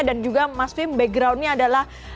dan juga mas fim background nya adalah